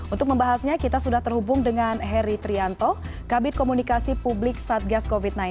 untuk membahasnya kita sudah terhubung dengan heri trianto kabit komunikasi publik satgas covid sembilan belas